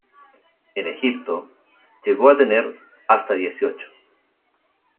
En Egipto, llegó a tener hasta dieciocho.